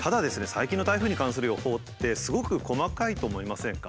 最近の台風に関する予報ってすごく細かいと思いませんか？